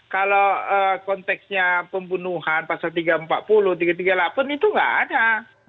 kalau konteksnya pembunuhan pasal tiga ratus empat puluh tiga ratus tiga puluh delapan itu nggak ada